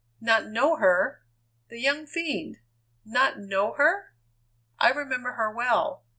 "Not know her? The young fiend! Not know her? I remember her well.